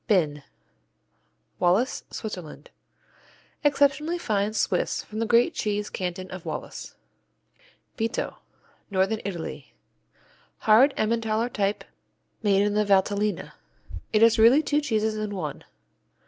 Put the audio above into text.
Binn Wallis, Switzerland Exceptionally fine Swiss from the great cheese canton of Wallis. Bitto Northern Italy Hard Emmentaler type made in the Valtellina. It is really two cheeses in one.